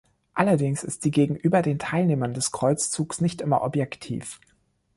Allerdings ist sie gegenüber den Teilnehmern des Kreuzzugs nicht immer objektiv.